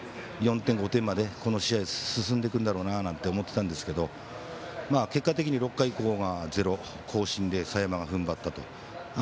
４点、５点までこの試合進んでくるなと思っていたんですけど結果的に６回以降はゼロ行進で佐山がふんばったと。